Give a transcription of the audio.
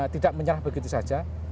tidak menyerah begitu saja